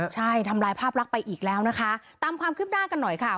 ใช่ทำลายภาพลักษณ์ไปอีกแล้วนะคะตามความคืบหน้ากันหน่อยค่ะ